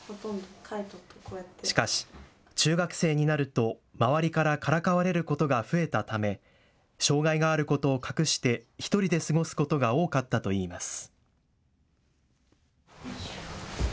しかし中学生になると周りからからかわれることが増えたため障害があることを隠して１人で過ごすことが多かったといいます。